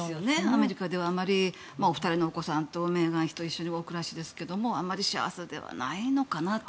アメリカではお二人のお子さんとメーガン妃と一緒にお暮らしですがあまり幸せではないのかなと。